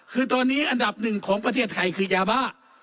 คือตอนนี้อันดับหนึ่งของประเทศไทยคือยาบ้า